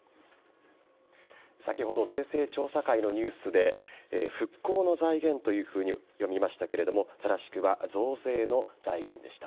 先ほど税制調査会のニュースで復興の財源と読みましたが正しくは増税の財源でした。